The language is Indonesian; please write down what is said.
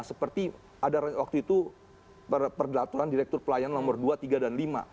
seperti ada waktu itu peraturan direktur pelayanan nomor dua tiga dan lima